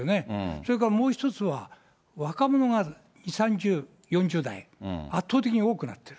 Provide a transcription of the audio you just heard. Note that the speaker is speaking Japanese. それからもう一つは、若者が２、３０、４０代、圧倒的に多くなってる。